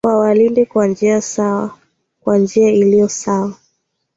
wawalinde kwa njia sawa kwa njia iliyo sawa